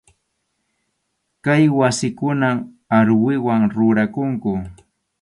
Kay wasikunan aruwiwan rurakunku.